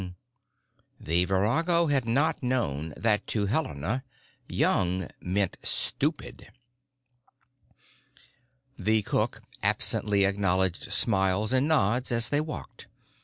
The virago had not known that to Helena "young" meant "stupid." The cook absently acknowledged smiles and nods as they walked.